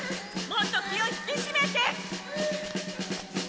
もっと気を引きしめて！